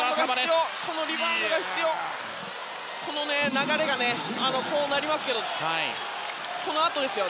流れがこうなりますけどこのあとですよ。